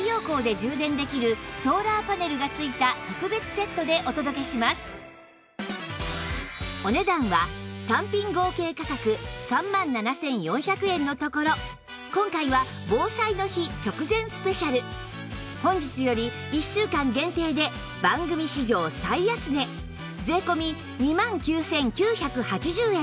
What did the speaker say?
セットには携帯電話今回はお値段は単品合計価格３万７４００円のところ今回は防災の日直前スペシャル本日より１週間限定で番組史上最安値税込２万９９８０円です